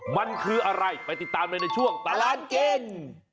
มันคืออะไรไปติดตามเลยในช่วงตลาดกิน